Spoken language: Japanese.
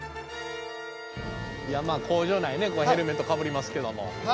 いや工場内ねヘルメットかぶりますけども。